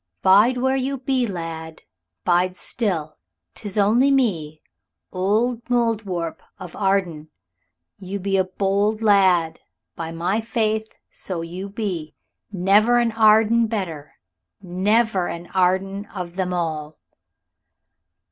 "Bide where you be, lad, bide still; 'tis only me old Mouldiwarp of Arden. You be a bold lad, by my faith, so you be. Never an Arden better. Never an Arden of them all."